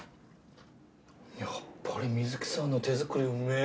やっぱり美月さんの手作りうめえ！